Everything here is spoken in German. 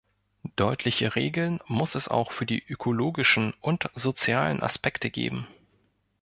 Deutliche Regeln muss es auch für die ökologischen und sozialen Aspekte geben.